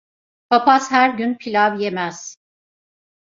Papaz her gün pilav yemez.